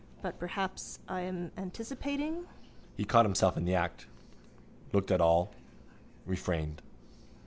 But perhaps I am anticipating? He caught himself in the act: looked at all: refrained.